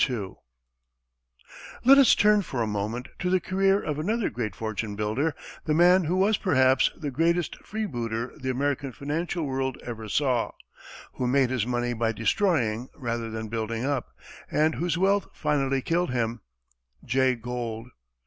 Let us turn for a moment to the career of another great fortune builder, the man who was, perhaps, the greatest freebooter the American financial world ever saw, who made his money by destroying rather than building up, and whose wealth finally killed him Jay Gould.